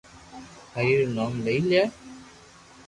ھري رو نوم لئي جي